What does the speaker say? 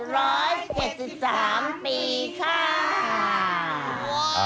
รวม๖๗๓ปีค่า